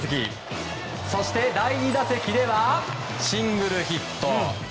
そして、第２打席ではシングルヒット。